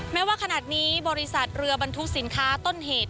แม้ว่าขนาดนี้บริษัทเรือบรรทุกสินค้าต้นเหตุ